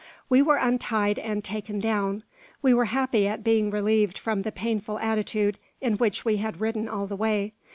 We were untied and taken down. We were happy at being relieved from the painful attitude in which we had ridden all the way.